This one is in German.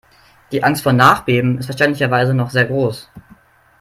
Die Angst vor Nachbeben ist verständlicherweise noch sehr groß.